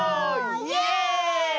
イエーイ！